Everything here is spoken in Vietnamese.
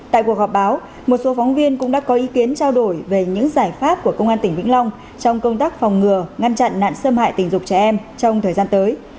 tại cuộc họp báo một số phóng viên cũng đã có ý kiến trao đổi về những giải pháp của công an tỉnh vĩnh long trong công tác phòng ngừa ngăn chặn nạn xâm hại tình dục trẻ em trong thời gian tới